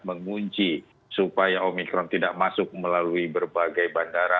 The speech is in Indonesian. mengunci supaya omikron tidak masuk melalui berbagai bandara